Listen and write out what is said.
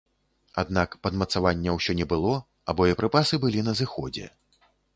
Аднак падмацавання ўсё не было, а боепрыпасы былі на зыходзе.